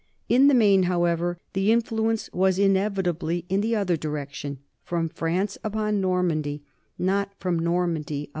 In the main, however, the influence was inevitably in the other direction, from France upon Normandy, not from Normandy upon 1 The Loss of Normandy, p.